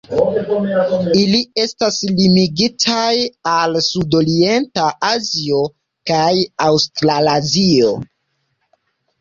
Ili estas limigitaj al sudorienta Azio kaj Aŭstralazio.